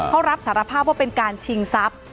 เขารับสารภาพว่าเป็นการชิงทรัพย์